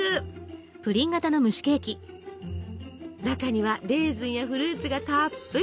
中にはレーズンやフルーツがたっぷり。